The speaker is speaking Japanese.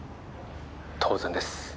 ☎当然です